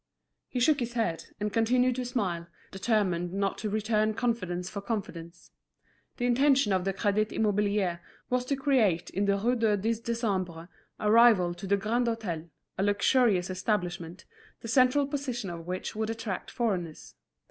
He shook his head, and continued to smile, determined not to return confidence for confidence. The intention of the Crédit Immobilier was to create in the Rue du Dix Décembre a rival to the Grand Hôtel, a luxurious establishment, the central position of which would attract foreigners.